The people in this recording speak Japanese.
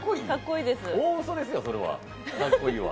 大うそですよ、それはかっこいいは。